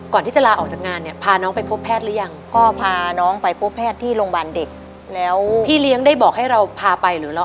ก่อนที่จะลาออกจากงานเนี่ยพาน้องไปพบแพทย์หรือยัง